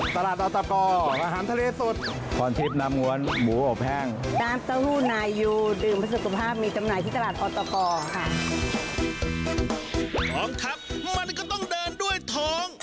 พร้อมครับมันก็ต้องเดินด้วยท้อง